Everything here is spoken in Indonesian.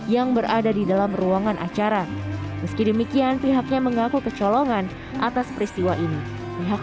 yang berada di dalam ruangan acara meski demikian pihaknya mengaku kecolongan atas peristiwa ini pihak